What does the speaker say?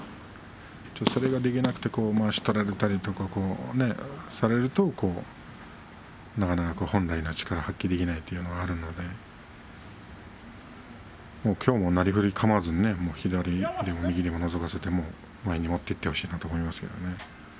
それができなくてまわしを取られたりなんとかされるとなかなか本来の力を発揮できないというのがあるのできょうも、なりふりかまわずに左でも右でものぞかせて前に持っていってほしいと思います。